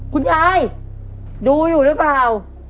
คุณยายดูอยู่หรือเปล่า